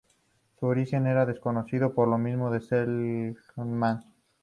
Su origen era desconocido por los mismos selknam.